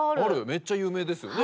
めっちゃ有名ですよね